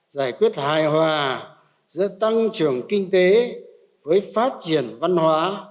giải quyết hài hòa giữa tăng trưởng kinh tế với phát triển văn hóa